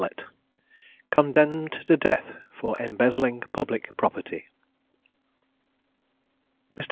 ROBERT ASLETT, CONDEMNED TO DEATH FOR EMBEZZLING PUBLIC PROPERTY. Mr.